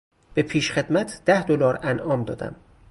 به پیشخدمت ده دلار انعام دادم.